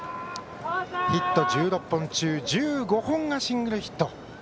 ヒット１６本中１５本がシングルヒット。